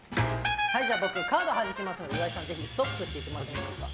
僕、カードはじきますので岩井さん、ストップって言ってもらっていいですか。